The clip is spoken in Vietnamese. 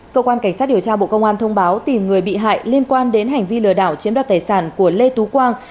cơ quan cảnh sát điều tra bộ công an thông báo tìm người bị hại liên quan đến hành vi lừa đảo chiếm đoạt tài sản của lê tú quang